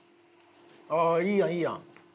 ああいいやんいいやん。